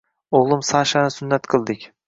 O‘g‘lim Sashani sunnat qildik